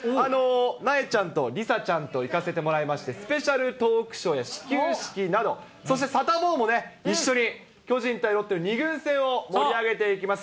なえちゃんと梨紗ちゃんと行かせてもらいまして、スペシャルトークショーや始球式など、そして、サタボーもね、一緒に巨人対ロッテの２軍戦を盛り上げていきます。